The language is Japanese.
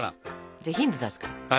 じゃあヒント出すから。